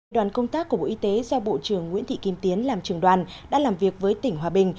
đoàn công tác của bộ y tế do bộ trưởng nguyễn thị kim tiến làm trường đoàn đã làm việc với tỉnh hòa bình